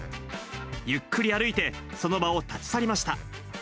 ゆっくり歩いて、その場を立ち去りました。